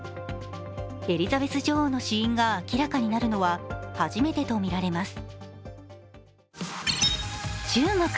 エリザベス女王の死因が明らかになるのは初めてとみられます。